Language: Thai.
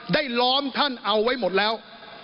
ล้อมท่านเอาไว้หมดแล้ว